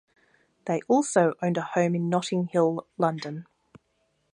They also owned a home in Notting Hill, London.